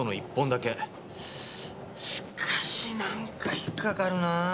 しかしなんか引っかかるなぁ。